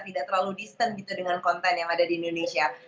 tidak terlalu distant gitu dengan konten yang ada di indonesia